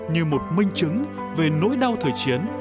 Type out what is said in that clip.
như một minh chứng về nỗi đau thời chiến